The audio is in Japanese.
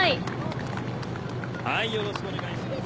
よろしくお願いします。